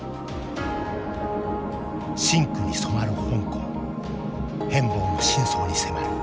真紅に染まる香港変貌の深層に迫る。